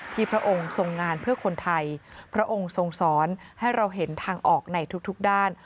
พระองค์ทรงงานเพื่อคนไทยพระองค์ทรงสอนให้เราเห็นทางออกในทุกด้าน